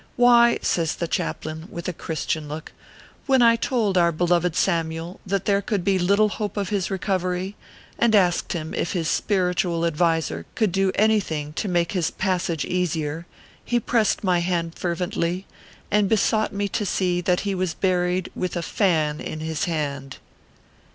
" Why," says the chaplain, with a Christian look, " when I told our beloved Samyule that there could be little hope of his recovery, and asked him if his spiritual adviser could do anything to make his pas sage easier, he pressed my hand fervently, and be sought me to see that he was buried with a fan in his hand."